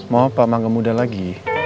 mau pak mangga muda lagi